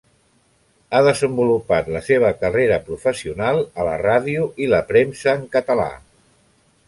Ha desenvolupat la seva carrera professional a la ràdio i la premsa en català.